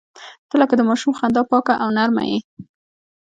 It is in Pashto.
• ته لکه د ماشوم خندا پاکه او نرمه یې.